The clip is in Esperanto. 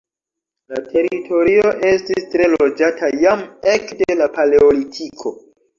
La teritorio estis tre loĝata jam ekde la Paleolitiko.